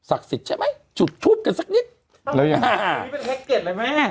ศักดิ์สิทธิ์ใช่ไหมฉุดทูบกันสักนิดยังไม่เป็นอะไรแม่